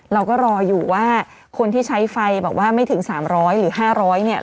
เราก็รออยู่ว่าคนที่ใช้ไฟแบบว่าไม่ถึง๓๐๐หรือ๕๐๐เนี่ย